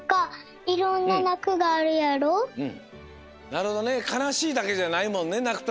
なるほどね「かなしい」だけじゃないもんねなくときは。